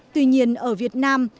tuy nhiên ở việt nam